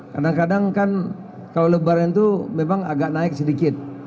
kadang kadang kan kalau lebaran itu memang agak naik sedikit